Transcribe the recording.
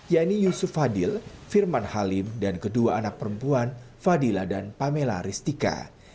yaitu yusuf fadil firman halim dan kedua anak perempuan fadila dan pamela ristika